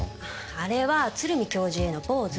あれは鶴見教授へのポーズ。